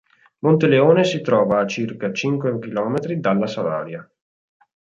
Monteleone si trova a circa cinque chilometri dalla Salaria.